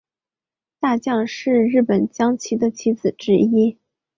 大将是日本将棋的棋子之一。